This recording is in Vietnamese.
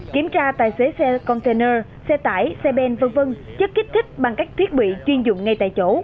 kiểm tra tài xế xe container xe tải xe ben v v chất kích thích bằng các thiết bị chuyên dụng ngay tại chỗ